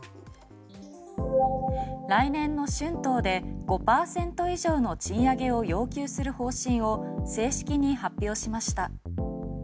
来年の春闘で５％以上の賃上げを要求する方針を正式に発表しました。